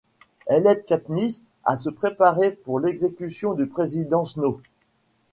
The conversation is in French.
Elle aide Katniss à se préparer pour l’exécution du président Snow.